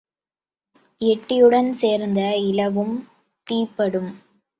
எட்டியுடன் சேர்ந்த இலவும் தீப்படும்.